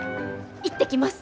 行ってきます。